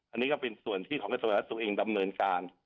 อันนี้ก็เป็นส่วนที่ของสาธารณสุขเองดำเนินการ